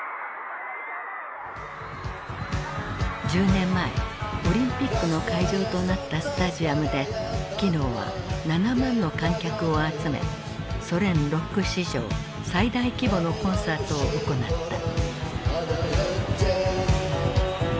１０年前オリンピックの会場となったスタジアムでキノーは７万の観客を集めソ連ロック史上最大規模のコンサートを行った。